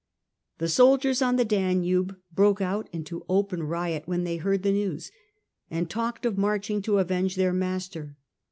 The soldiers on the Danube broke out into open riot when they heard the news, and talked of marching to avenge their master.